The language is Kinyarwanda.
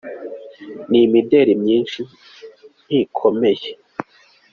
n’imideli nyinshi n’ikomeye.